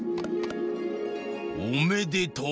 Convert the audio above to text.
おめでとう。